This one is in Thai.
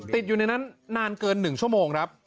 ติดอยู่ในนั้นนานเกิน๑ชั่วโมงครับ